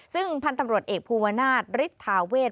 ซึ่งพันธ์ตำรวจอ่าอิกภูมิณาศบริษฐาเวช